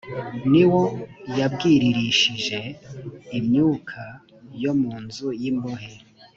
ni wo yabwiririshije imyuka yo mu nzu y imbohe